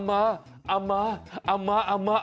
อัมมา